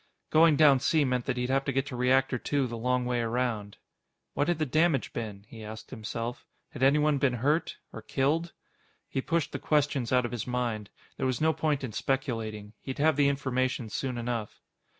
Going down C meant that he'd have to get to Reactor Two the long way around. What had the damage been? he asked himself. Had anyone been hurt? Or killed? He pushed the questions out of his mind. There was no point in speculating. He'd have the information soon enough.